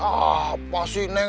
apa sih neng